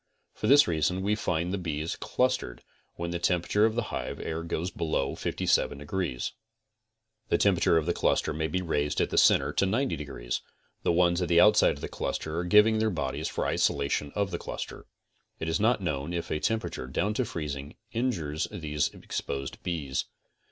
For this reason we find the bees clustered when the temperature of the hive air goes below 57 degrees. The temperature of the cluster may be raised at the center to 90 degrees, the ones at the outside of the cluster are giving their bodies for isolation of the cluster. It is not known if a temperature down to freezing injures these exposed bees.